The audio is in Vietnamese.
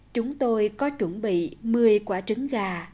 chúng tôi có chuẩn bị một mươi quả trứng gà